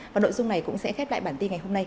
và nội dung này cũng sẽ khép lại bản tin ngày hôm nay